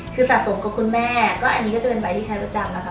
คือสะสมกับคุณแม่ก็อันนี้ก็จะเป็นใบที่ใช้ประจำนะคะ